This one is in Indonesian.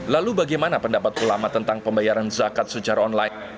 lalu bagaimana pendapat ulama tentang pembayaran zakat secara online